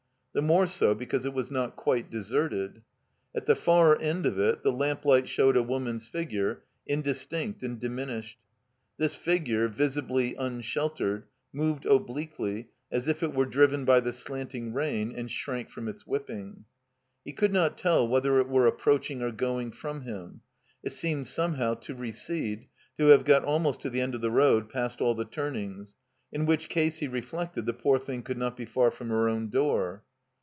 The more so because it was not quite de serted. At the far end of it the lamplight showed a woman's figure, indistinct and diminished. This figure, visibly unsheltered, moved obliquely as if it were driven by the slanting rain and shrank from its whipping. He could not tell whether it were approaching or going from him. It seemed somehow to recede, to have got almost to the end of the road, past all the tiunings; in which case, he reflected, the poor thing could not be far from her own door.